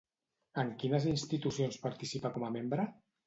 En quines institucions participa com a membre?